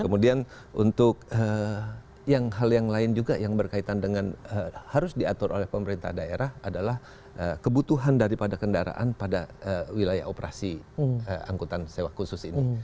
kemudian untuk yang hal yang lain juga yang berkaitan dengan harus diatur oleh pemerintah daerah adalah kebutuhan daripada kendaraan pada wilayah operasi angkutan sewa khusus ini